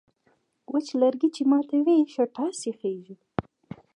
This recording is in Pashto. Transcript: وچ لرگی چې ماتوې، ښه ټس یې خېژي.